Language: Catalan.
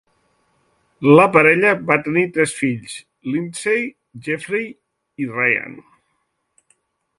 La parella va tenir tres fills: Lindsey, Jeffrey i Ryan.